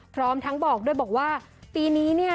พร้อมทั้งบอกด้วยบอกว่าปีนี้เนี่ย